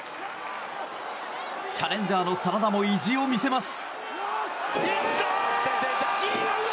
チャレンジャーのＳＡＮＡＤＡも意地を見せます。